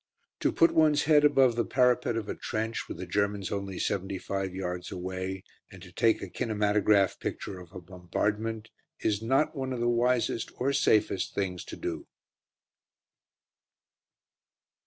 To put one's head above the parapet of a trench, with the Germans only seventy five yards away, and to take a kinematograph picture of a bombardment, is not one of the wisest or safest things to do!